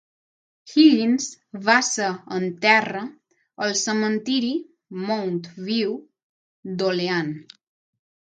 Higgins va ser enterra al cementiri Mount View d'Olean.